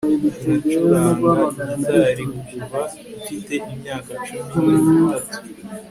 nacuranga gitari kuva mfite imyaka cumi n'itatu